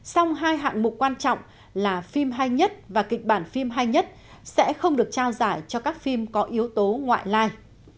vì vậy dù liên hoan phim lần thứ hai mươi vẫn tạo điều kiện cho các phim làm lại được tham dự giải